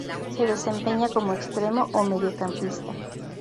Se desempeña como extremo o mediocampista.